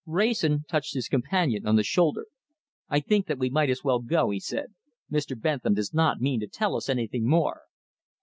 Wrayson touched his companion on the shoulder. "I think that we might as well go," he said. "Mr. Bentham does not mean to tell us anything more."